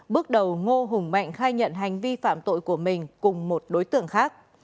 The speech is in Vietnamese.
bước đầu ngô hùng mạnh khai nhận hành vi phạm tội của mình cùng một đối tượng khác